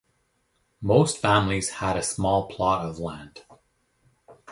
Most families had a small plot of land.